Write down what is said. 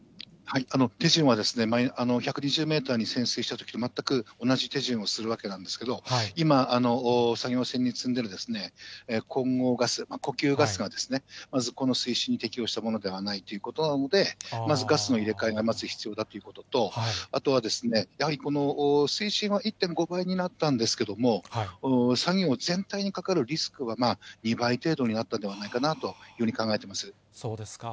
手順は１２０メートルに潜水したときと全く同じ手順をするわけなんですけど、今、作業船に積んでる混合ガス、呼吸ガスが、まずこの水深に適用したものではないということなので、まずガスの入れ替えがまず必要だっていうことと、あとは、やはりこの水深は１．５倍になったんですけれども、作業全体にかかるリスクは２倍程度になったのではないかなと考えそうですか。